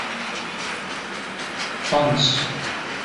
按察使司衙门创设人暨首任按察使是洪卑爵士。